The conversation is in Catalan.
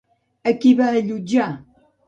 A qui va allotjar?